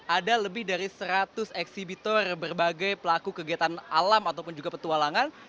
ada lebih dari seratus eksibitor berbagai pelaku kegiatan alam ataupun juga petualangan